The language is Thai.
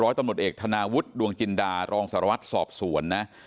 ตำรวจเอกธนาวุฒิดวงจินดารองสารวัตรสอบสวนนะ